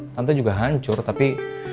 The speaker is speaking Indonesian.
tante juga hancur tapi